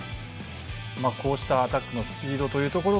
こうしたアタックのスピードというところ